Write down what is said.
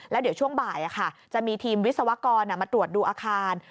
แล้วเดี๋ยวช่วงบ่ายจะมีทีมวิศวกรมาตรวจดูอาคาร